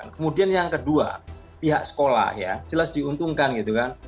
kemudian yang kedua pihak sekolah ya jelas diuntungkan gitu kan